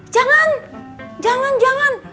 jangan jangan jangan